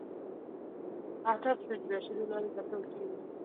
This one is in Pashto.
اهدافو ته د رسیدو لارې لټول کیږي.